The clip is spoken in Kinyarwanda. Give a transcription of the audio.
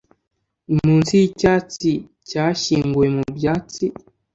Munsi yicyatsi cyashyinguwe mubyatsi